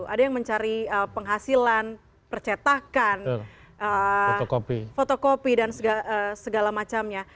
ada yang mencari penghasilan percetakan fotokopi dan segala macamnya